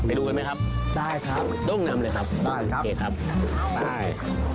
ดูกันไหมครับได้ครับด้งนำเลยครับได้โอเคครับได้